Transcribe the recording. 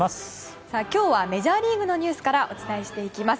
今日はメジャーリーグのニュースからお伝えしていきます。